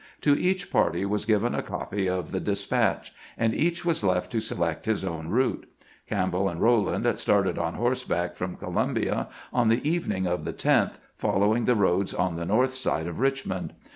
To each party was given a copy of the despatch, and each was left to select its own route. Campbell and Eowand started on horseback from Co lumbia on the evening of the 10th, following the roads on the north side of Richmond.